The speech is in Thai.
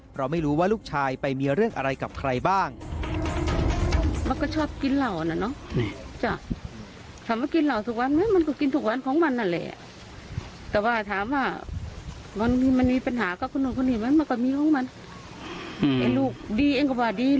เพราะไม่รู้ว่าลูกชายไปมีเรื่องอะไรกับใครบ้าง